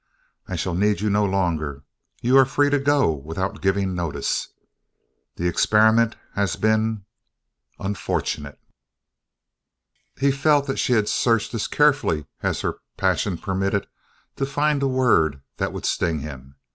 I shall need you no longer. You are free to go without giving notice. The experiment has been unfortunate." He felt that she had searched as carefully as her passion permitted to find a word that would sting him.